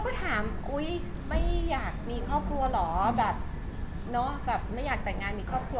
ครั้งแรกหรออา้ยังไม่อยากมีครอบครัวหรอแบบไม่อยากตัยงานมีครอบครัว